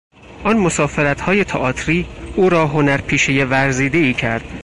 آن مسافرتهای تئاتری او را هنرپیشهی ورزیدهای کرد.